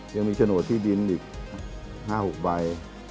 ยังมีชโนท์ที่ดินอีก๕๖ใบ